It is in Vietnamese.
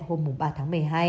hôm ba tháng một mươi hai